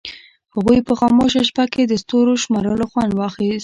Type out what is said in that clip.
هغوی په خاموشه شپه کې د ستورو شمارلو خوند واخیست.